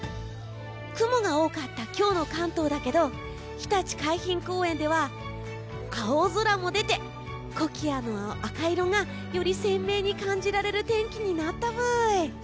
雲が多かった今日の関東だけどひたち海浜公園では青空も出てコキアの赤色がより鮮明に感じられる天気になったブイ。